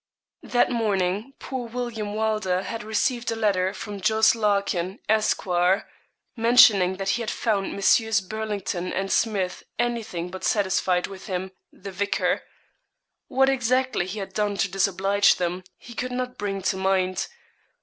That morning, poor William Wylder had received a letter from Jos. Larkin, Esq., mentioning that he had found Messrs. Burlington and Smith anything but satisfied with him the vicar. What exactly he had done to disoblige them he could not bring to mind.